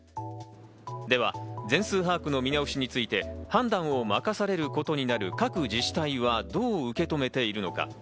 では、全数把握の見直しについて判断を任されることになる各自治体はどう受け止めているのか。